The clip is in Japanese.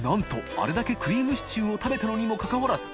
あれだけクリームシチューを食べたのにもかかわらず．